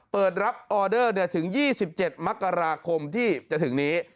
เปิดรับออเดอร์ถึง๒๗มกราคมที่จะถึงนี้